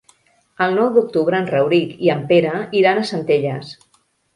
El nou d'octubre en Rauric i en Pere iran a Centelles.